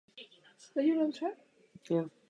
Bitva skončila po dlouhém boji vítězstvím turecké armády.